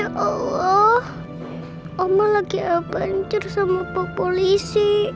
ya allah oma lagi bentur sama pak polisi